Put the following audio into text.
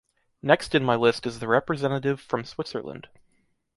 Next in my list is the representative from Switzerland.